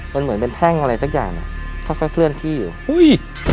มันเหมือนเป็นแท่งอะไรสักอย่างอ่ะค่อยค่อยเคลื่อนที่อยู่อุ้ย